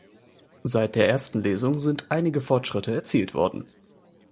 Seit der ersten Lesung sind einige Fortschritte erzielt worden.